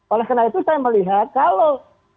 oleh karena itu saya melihat kalau